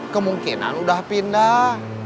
kemungkinan udah pindah